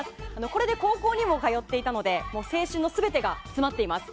これで高校にも通っていたのでもう青春の全てが詰まっています。